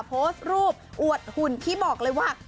โพสต์รูปอวดหุ่นที่บอกเลยว่า